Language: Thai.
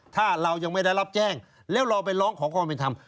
ถ้าเรายังไม่ได้รับแจ้งแล้วเราไปร้องขอความเป็นธรรม